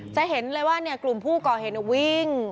จะเห็นเลยว่ากลุ่มผู้ก่อเหตุวิ่ง